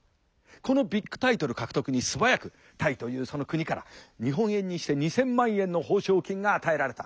このビッグタイトル獲得に素早くタイというその国から日本円にして２，０００万円の報奨金が与えられた。